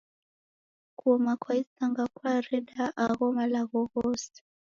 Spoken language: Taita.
Kuoma kwa Isanga kwareda agho malagho ghose?.